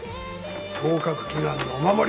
合格祈願のお守り。